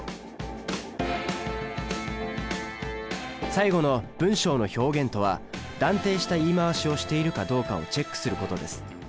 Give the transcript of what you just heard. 最後の「文章の表現」とは断定した言い回しをしているかどうかをチェックすることです。